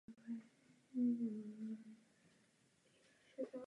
Obě utkání za Československo byla kvalifikační.